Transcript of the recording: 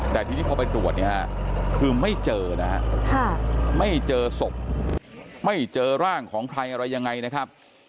แต่ทีนี้พอไปตรวจเนี่ยฮะคือไม่เจอนะฮะไม่เจอศพไม่เจอร่างของใครอะไรยังไงนะครับ